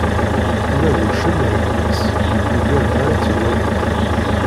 Ula d uccen ireggel-as, yugad m'ara tt-iwali.